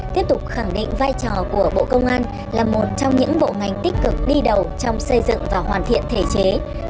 tiếp tục khẳng định vai trò của bộ công an là một trong những bộ ngành tích cực đi đầu trong xây dựng và hoàn thiện thể chế